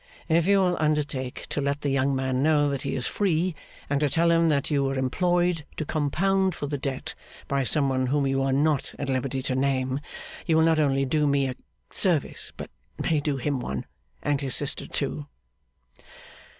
If you will undertake to let the young man know that he is free, and to tell him that you were employed to compound for the debt by some one whom you are not at liberty to name, you will not only do me a service, but may do him one, and his sister also.